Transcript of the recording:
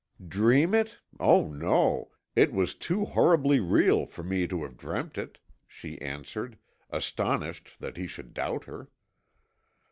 "Dream it? Oh, no, it was too horribly real for me to have dreamt it," she answered, astonished that he should doubt her.